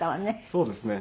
そうですね。